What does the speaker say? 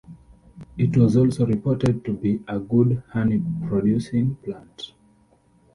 It was also reported to be a good honey-producing plant.